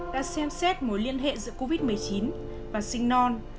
đã xem xét mối liên hệ giữa covid một mươi chín và sinh non